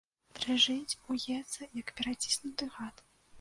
Дрыжыць, уецца, як пераціснуты гад.